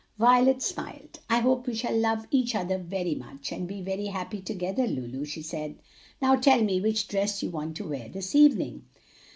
Violet smiled. "I hope we shall love each other very much, and be very happy together, Lulu," she said. "Now tell me which dress you want to wear this evening."